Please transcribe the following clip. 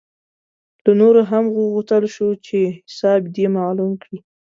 له نورو هم وغوښتل شول چې حساب دې معلوم کړي.